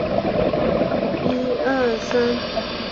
前母俞氏。